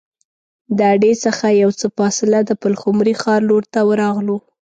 د اډې څخه یو څه فاصله د پلخمري ښار لور ته راغلو.